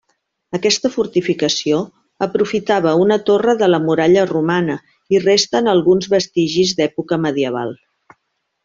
Aquesta fortificació aprofitava una torre de la muralla romana i resten alguns vestigis d'època medieval.